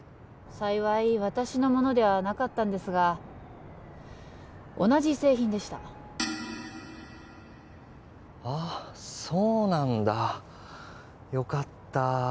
幸い私のものではなかったんですが同じ製品でしたあっそうなんだよかった